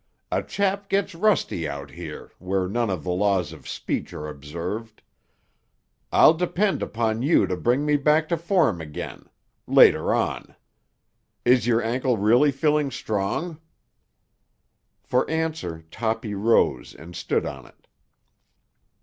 "A chap gets rusty out here, where none of the laws of speech are observed. I'll depend upon you to bring me back to form again—later on. Is your ankle really feeling strong?" For answer Toppy rose and stood on it.